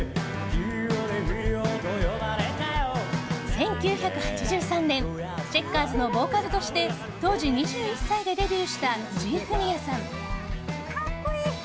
１９８３年チェッカーズのボーカルとして当時２１歳でデビューした藤井フミヤさん。